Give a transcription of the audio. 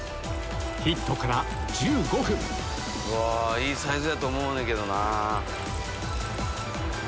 ヒットから１５分いいサイズやと思うねんけどな。